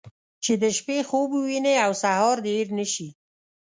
چې د شپې خوب ووينې او سهار دې هېر نه شي.